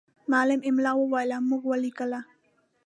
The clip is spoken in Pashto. معلم املا وویله، موږ ولیکله.